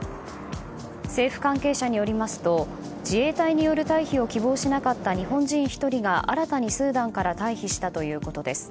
政府関係者によりますと自衛隊による退避を希望しなかった日本人１人が新たにスーダンから退避したということです。